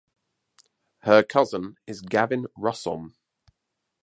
Her cousin is Gavin Russom.